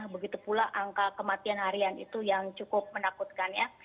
begitu pula angka kematian harian itu yang cukup menakutkan ya